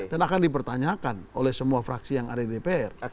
dan akan dipertanyakan oleh semua fraksi yang ada di dpr